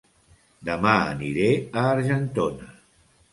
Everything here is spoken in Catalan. Dema aniré a Argentona